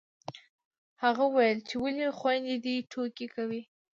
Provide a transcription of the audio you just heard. هغه وويل چې ولې خویندې دې ټوکې کوي